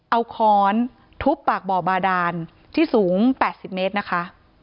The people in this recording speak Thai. เอาค้อนทุบปากบ่อบาดานที่สูง๘๐เมตรนะคะ